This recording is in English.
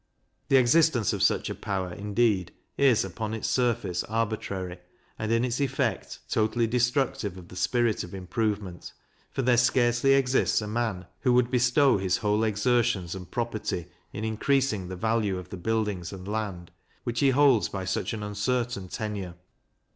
The existence of such a power, indeed, is, upon its surface, arbitrary; and, in its effect, totally destructive of the spirit of improvement; for there scarcely exists a man who would bestow his whole exertions and property in increasing the value of buildings and land, which he holds by such an uncertain tenure.